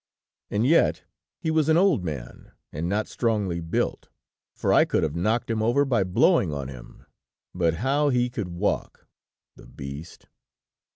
"And yet he was an old man, and not strongly built, for I could have knocked him over by blowing on him; but how he could walk, the beast!